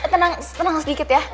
ya udah tenang tenang sedikit ya